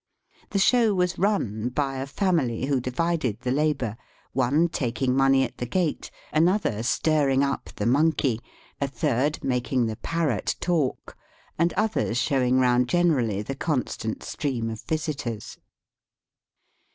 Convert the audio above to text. The show was "run" hy a family who divided the labour, one taking money at the gate, another stirring up the monkey, a third making the parrot talk, and others showing round generally the constant stream of visitors.